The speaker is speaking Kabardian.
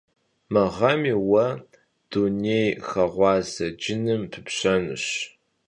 Mı ğemi vue dunêyxeğuaze cınım pıpşenuş.